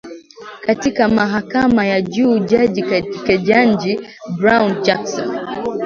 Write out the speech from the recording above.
katika mahakama ya juu jaji Ketanji Brown Jackson